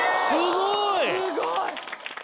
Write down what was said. すごい！